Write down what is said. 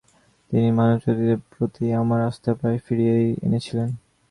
তিনি মানবচরিত্রের প্রতি আমার আস্থা প্রায় ফিরিয়েই এনেছিলেন।